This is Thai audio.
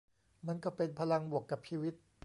มันก็เป็นพลังบวกกับชีวิต